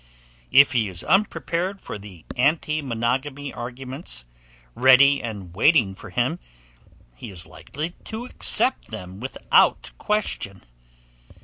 If he is unprepared for the anti monogamy arguments ready and waiting for him, he is likely to accept them without question.